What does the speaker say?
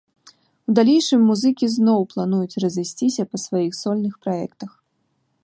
У далейшым музыкі зноў плануюць разысціся па сваіх сольных праектах.